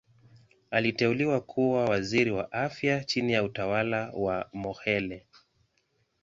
Aliteuliwa kuwa Waziri wa Afya chini ya utawala wa Mokhehle.